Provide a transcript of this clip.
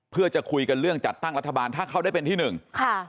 เพื่อจะคุยกันเรื่องจัดตั้งรัฐบาลถ้าเขาได้เป็นที่หนึ่งค่ะ